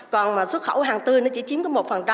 còn mà xuất khẩu hàng tươi nó chỉ chiếm có một